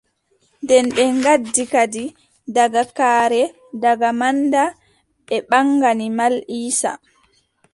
Nden ɓe gaddi kadi daga kare, daga manda, ɓe mbaagani Mal Iiisa.